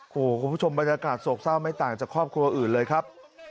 โอ้โหคุณผู้ชมบรรยากาศโศกเศร้าไม่ต่างจากครอบครัวอื่นเลยครับ